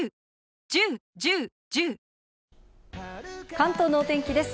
関東の天気です。